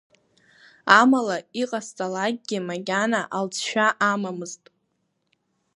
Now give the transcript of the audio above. Амала иҟасҵалакгьы макьана алҵшәа амамызт.